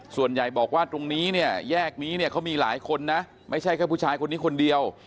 ส่วนใหญ่บอกว่าตรงนี้เนี่ยแยกนี้เนี่ยเขามีหลายคนนะไม่ใช่แค่ผู้ชายคนนี้คนเดียว